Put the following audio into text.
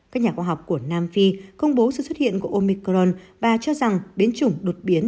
các nhà khoa học của nam phi công bố sự xuất hiện của omicron bà cho rằng biến chủng đột biến